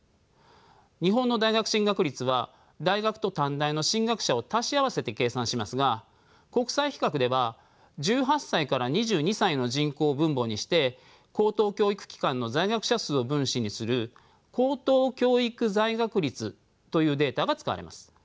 日本の大学進学率は大学と短大の進学者を足し合わせて計算しますが国際比較では１８歳から２２歳の人口を分母にして高等教育機関の在学者数を分子にする高等教育在学率というデータが使われます。